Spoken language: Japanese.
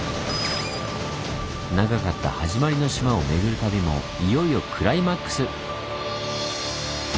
長かった「はじまりの島」を巡る旅もいよいよクライマックス！